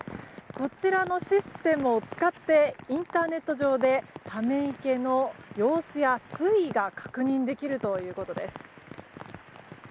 こちらのシステムを使ってインターネット上でため池の様子や水位が確認できるということです。